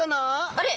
あれ！？